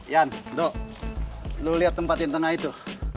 yan do lo lihat tempat yang tengah itu